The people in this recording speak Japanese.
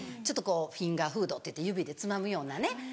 ちょっとこうフィンガーフードっていって指でつまむようなね。